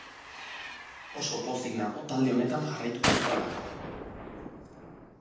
Oso pozik nago talde honetan jarraituko dudalako.